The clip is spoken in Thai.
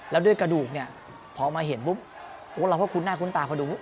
แล้วด้วยกระดูกเนี่ยพอมาเห็นปุ๊บเราก็คุ้นหน้าคุ้นตาพอดู